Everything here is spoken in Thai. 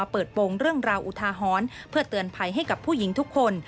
เพื่อเตือนภัยให้กับผู้หญิงทุกคน